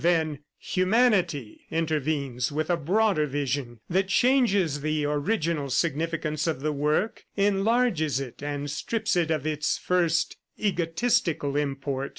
Then Humanity intervenes with a broader vision that changes the original significance of the work, enlarges it and strips it of its first egotistical import.